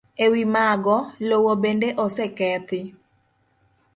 E wi mago, lowo bende osekethi.